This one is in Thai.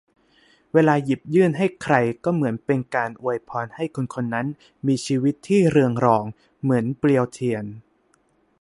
เวลาหยิบยื่นให้ใครก็เหมือนเป็นการอวยพรให้คนคนนั้น มีชีวิตที่เรืองรองเหมือนเปลวเทียน